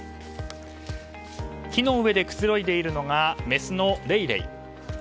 木の上でくつろいでいるのがメスのレイレイ。